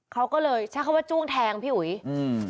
เขาก็เลยใช่เข้าว่าจุ้งแทงพี่หวี